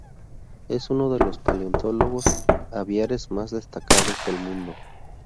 Es uno de los paleontólogos aviares más destacados del mundo.